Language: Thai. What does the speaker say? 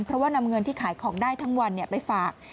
เพราะว่านำเงินที่ขายของได้ทั้งวันไปฝาก